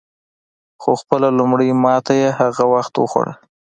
خو خپله لومړۍ ماته یې هغه وخت وخوړه.